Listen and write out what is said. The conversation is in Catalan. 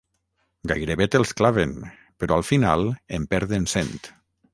Gairebé te'ls claven, però al final en perden cent.